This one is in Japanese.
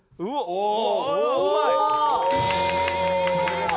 おお！